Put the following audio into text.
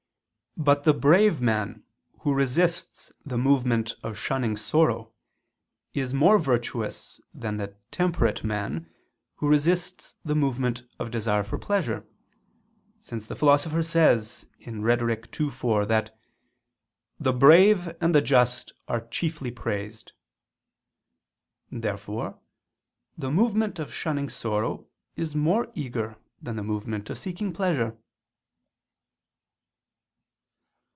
But the brave man who resists the movement of shunning sorrow, is more virtuous than the temperate man, who resists the movement of desire for pleasure: since the Philosopher says (Rhet. ii, 4) that "the brave and the just are chiefly praised." Therefore the movement of shunning sorrow is more eager than the movement of seeking pleasure.